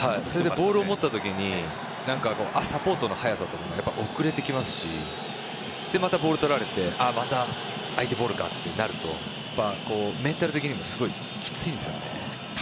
ボールを持ったときにサポートの速さというのが遅れてきますしまたボールを取られてまた相手ボールかとなるとメンタル的にもすごいきついんですよね。